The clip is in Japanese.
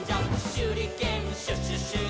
「しゅりけんシュシュシュで」